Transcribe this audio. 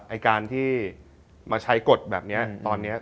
ไอ้การที่มาใช้กฎแบบเนี้ย